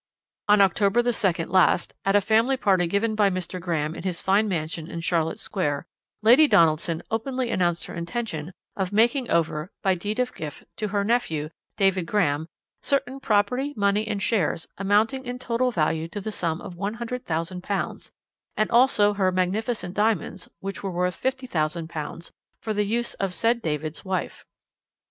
"On October the 2nd last, at a family party given by Mr. Graham in his fine mansion in Charlotte Square, Lady Donaldson openly announced her intention of making over, by deed of gift, to her nephew, David Graham, certain property, money, and shares, amounting in total value to the sum of £100,000, and also her magnificent diamonds, which were worth £50,000, for the use of the said David's wife.